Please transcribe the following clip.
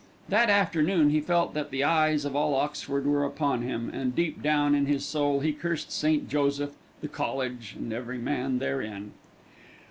That afternoon he felt that the eyes of all Oxford were upon him, and deep down in his soul he cursed St. Joseph, the college, and every man therein.